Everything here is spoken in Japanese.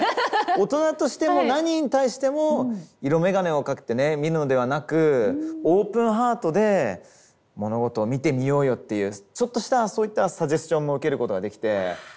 大人としても何に対しても色眼鏡をかけて見るのではなくオープンハートで物事を見てみようよっていうちょっとしたそういったサジェスチョンも受けることができてうん。